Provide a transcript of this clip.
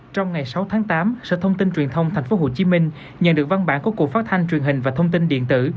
trong ngày sáu tháng tám sở thông tin truyền thông tp hcm nhận được văn bản của cục phát thanh truyền hình và thông tin điện tử